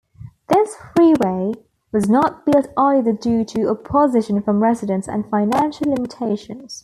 This freeway was not built either due to opposition from residents and financial limitations.